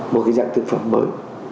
một dạng thực phẩm mới